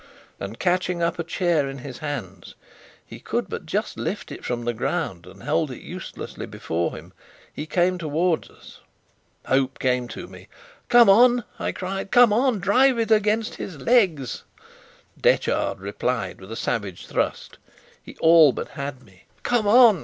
and catching up a chair in his hands (he could but just lift it from the ground and hold it uselessly before him) he came towards us. Hope came to me. "Come on!" I cried. "Come on! Drive it against his legs." Detchard replied with a savage thrust. He all but had me. "Come on!